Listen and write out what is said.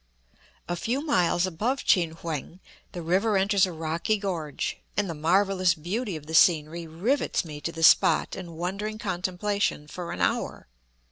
A few miles above Chin yuen the river enters a rocky gorge, and the marvellous beauty of the scenery rivets me to the spot in wondering contemplation for an hour.